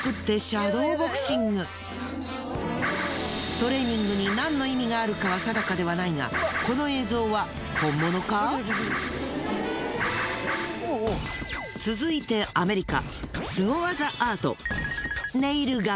トレーニングに何の意味があるかは定かではないが続いてアメリカ。